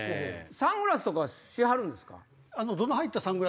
サングラスとかしはるんですか？